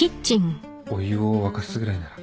お湯を沸かすぐらいなら。